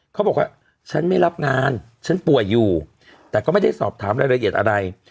เขาบอกว่าฉันไม่รับงานฉันป่วยอยู่แต่ก็ไม่ได้สอบถามรายละเอียดอะไร